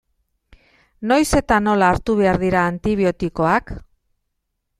Noiz eta nola hartu behar dira antibiotikoak?